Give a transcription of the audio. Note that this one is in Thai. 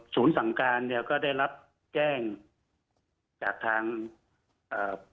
สั่งการเนี่ยก็ได้รับแจ้งจากทางเอ่อ